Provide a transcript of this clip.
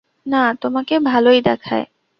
না, তোমাকে ভালোই দেখায়।